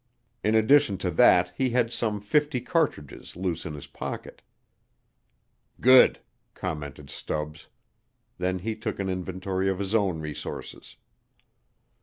In addition to that he had some fifty cartridges loose in his pocket. "Good!" commented Stubbs. Then he took an inventory of his own resources.